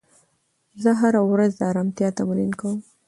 زه هره ورځ د ارامتیا تمرین کوم.